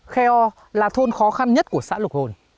kheo là thôn khó khăn nhất của xã lục hồn